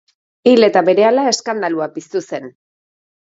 Hil eta berehala eskandalua piztu zen.